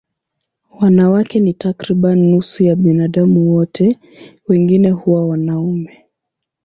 Wanawake ni takriban nusu ya binadamu wote, wengine huwa wanaume.